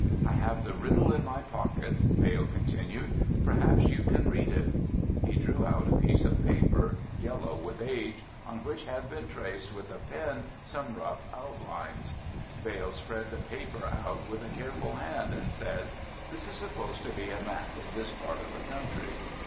"I have the riddle in my pocket," Vail continued, "perhaps you can read it." He drew out a piece of paper yellow with age on which had been traced with a pen some rough outlines. Vail spread the paper out with a careful hand and said, "This is supposed to be a map of this part of the country.